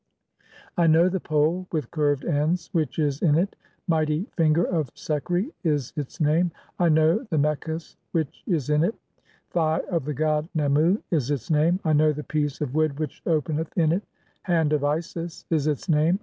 I "know the pole with curved ends which is in it ; 'Mighty finger "of Sekri' [is its name]. I know the mekhes which is in it ; (8) "'Thigh of the god Nemu' [is its name]. I know the piece of "wood which openeth in it ; 'Hand of Isis' [is its name].